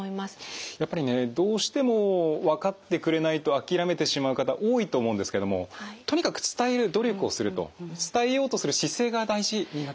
やっぱりねどうしても分かってくれないと諦めてしまう方多いと思うんですけどもとにかく伝える努力をすると伝えようとする姿勢が大事になってくるんですよね。